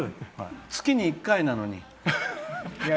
月に１回なのに。